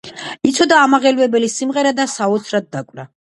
იცოდა ამაღელვებელი სიმღერა და საოცრად დაკვრა.